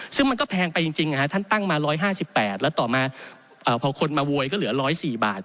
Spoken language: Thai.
ซึ่งมันก็แพงไปจริงท่านตั้งมา๑๕๘แล้วต่อมาพอคนมาโวยก็เหลือ๑๐๔บาท